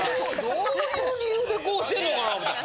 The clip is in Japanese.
どういう理由でこうしてんのかな思ったら。